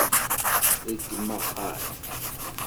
Ṛeggmeɣ-ak.